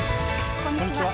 こんにちは。